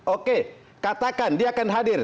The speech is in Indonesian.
oke katakan dia akan hadir